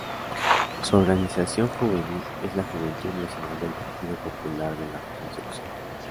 Su organización juvenil es la "Juventud Nacional del Partido Popular de la Reconstrucción".